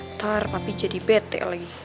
ntar papi jadi bete lagi